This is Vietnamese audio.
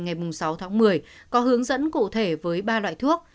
ngày sáu tháng một mươi có hướng dẫn cụ thể với ba loại thuốc